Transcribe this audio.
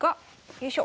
よいしょ。